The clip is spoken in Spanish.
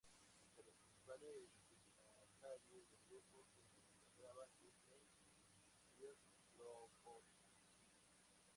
Entre los principales signatarios del grupo se encontraban Jean Grave y Piotr Kropotkin.